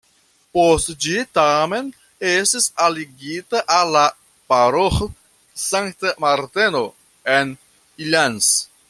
Post ĝi tamen estis aligita al la paroĥo Sankta Marteno en Ilanz.